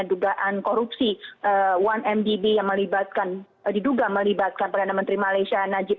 dugaan korupsi satu mdb yang melibatkan diduga melibatkan perdana menteri malaysia najib